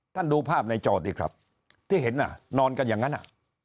ท่านดูภาพในจอดดีครับที่เห็นนอนกันอย่างนั้น